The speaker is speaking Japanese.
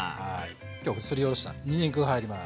今日すりおろしたにんにくが入ります。